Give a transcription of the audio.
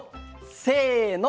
せの。